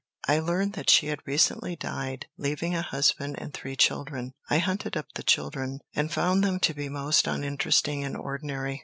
I learned that she had recently died, leaving a husband and three children. I hunted up the children, and found them to be most uninteresting and ordinary.